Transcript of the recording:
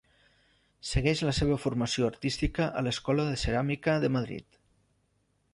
Segueix la seva formació artística a l'Escola de Ceràmica de Madrid.